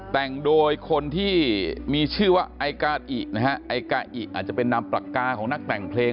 แต่งโดยคนที่มีชื่อว่าไอกาอินะฮะไอกาอิอาจจะเป็นนามปากกาของนักแต่งเพลง